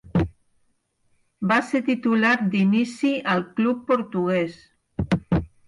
Va ser titular d'inici al club portuguès.